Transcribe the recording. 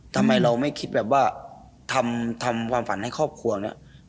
ทำไมเราไม่คิดแบบว่าทำความฝันให้ครอบครัวเนี่ย